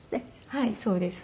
はいそうです。